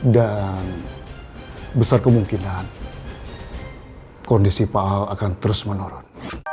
dan besar kemungkinan kondisi paal akan terus menurun